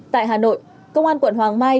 tại hà nội công an quận hoàng mai